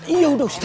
iya udah ustadz